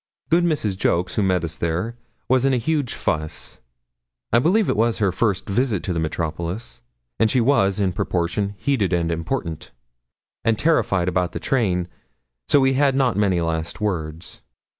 Good Mrs. Jolks, who met us there, was in a huge fuss; I believe it was her first visit to the metropolis, and she was in proportion heated and important, and terrified about the train, so we had not many last words.